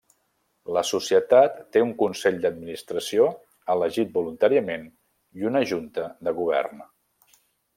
La societat té un Consell d'administració elegit voluntàriament i una Junta de govern.